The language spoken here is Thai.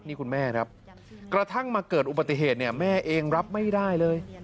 นี่คุณแม่ครับกระทั่งมาเกิดอุบัติเหตุเนี่ยแม่เองรับไม่ได้เลย